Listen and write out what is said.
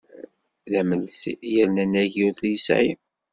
D amelsi yerna anagi ur t-yesɛi.